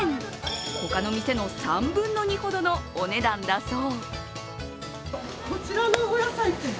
他の店の３分の２ほどのお値段だそう。